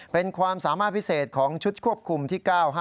เป็นความสามารถพิเศษของชุดควบคุมที่๙๕